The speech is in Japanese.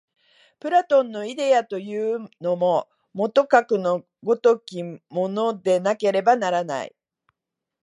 プラトンのイデヤというのも、もとかくの如きものでなければならない。